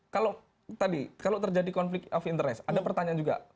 kalau tadi kalau terjadi konflik of interest ada pertanyaan juga